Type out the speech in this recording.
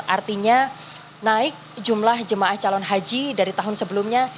artinya naik jumlah jemaah calon haji dari tahun sebelumnya